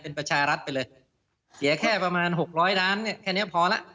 เป็นประชารัฐไปเลยเสียแค่ประมาณ๖๐๐ร้านแค่นี้พอแล้ว